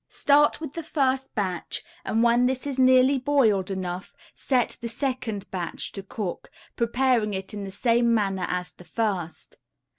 Start with the first batch and when this is nearly boiled enough, set the second batch to cook, preparing it in the same manner as the first.